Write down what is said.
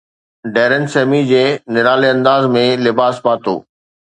Darren Sammy جي نرالي انداز ۾ لباس پاتو